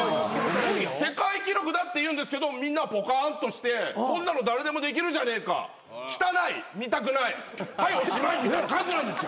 世界記録だって言うんですけどみんなポカーンとしてこんなの誰でもできるじゃねえか汚い見たくないはいおしまいみたいな感じなんですよ。